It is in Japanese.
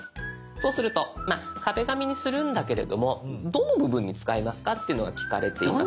そうすると「壁紙」にするんだけれどもどの部分に使いますか？っていうのが聞かれています。